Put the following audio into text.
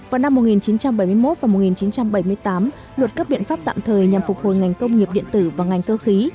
vào năm một nghìn chín trăm bảy mươi một và một nghìn chín trăm bảy mươi tám luật cấp biện pháp tạm thời nhằm phục hồi ngành công nghiệp điện tử và ngành cơ khí